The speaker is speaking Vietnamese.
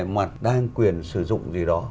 mặt đa hành quyền sử dụng gì đó